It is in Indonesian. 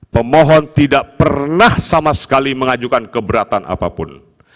pemohon tidak pernah sama sekali mengajukan keberatan apapun